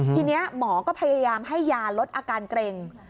ทีนี้หมอก็พยายามให้ยาลดอาการเกร็ง